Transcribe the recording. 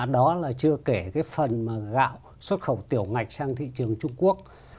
đó là chưa kể cái phần mà gạo xuất khẩu tiểu ngạch sang thị trường trung quốc